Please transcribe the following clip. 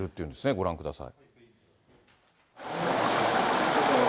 ご覧ください。